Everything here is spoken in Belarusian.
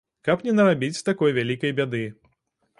Каб не нарабіць такой вялікай бяды.